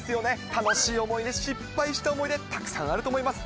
楽しい思い出、失敗した思い出、たくさんあると思います。